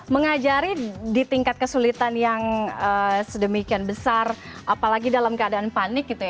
mengajari di tingkat kesulitan yang sedemikian besar apalagi dalam keadaan panik gitu ya